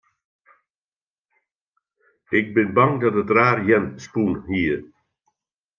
Ik bin bang dat it raar jern spûn hie.